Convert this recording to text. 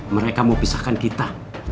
mereka mau pisahkan kita